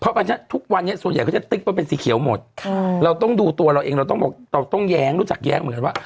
เพราะฉะนั้นทุกวันนี้ส่วนใหญ่เขาจะติ๊กมาเป็นสีเขียวหมดเราต้องดูตัวเราเองเราต้องบอกเราต้องแย้งรู้จักแย้งเหมือนกันว่า